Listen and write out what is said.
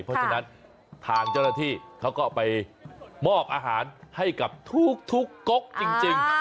เพราะฉะนั้นทางเจ้าหน้าที่เขาก็ไปมอบอาหารให้กับทุกกกจริง